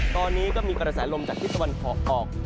ตอนนี้ก็มีกระแสลมจากทิศตะวันออก